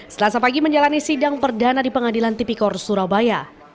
selasa pagi menjalani sidang perdana di pengadilan tipikor surabaya